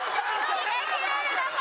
逃げ切れるのか？